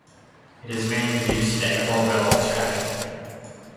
It is mainly used today for oil extraction.